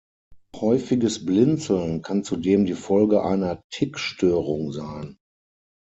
Häufiges Blinzeln kann zudem die Folge einer Tic-Störung sein.